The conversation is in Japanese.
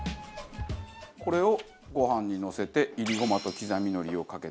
これをご飯にのせて炒りゴマと刻みのりをかけたら完成と。